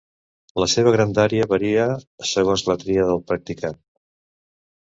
La seva grandària varia segons la tria del practicant.